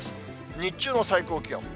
日中の最高気温。